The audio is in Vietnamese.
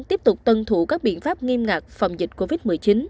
tiếp tục tuân thủ các biện pháp nghiêm ngặt phòng dịch covid một mươi chín